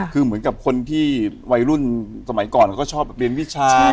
คือเหมือนกับคนที่วัยรุ่นสมัยก่อนเขาก็ชอบเรียนวิชา